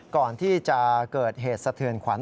ก่อนที่จะเกิดเหตุสะเทือนขวัญ